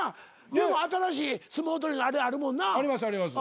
でも新しい相撲取りのあれあるもんな？ありますあります。